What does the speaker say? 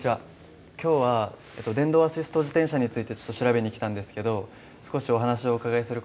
今日は電動アシスト自転車について調べに来たんですけど少しお話をお伺いする事はできますか？